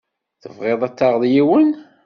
Tebɣiḍ ad taɣeḍ yiwen?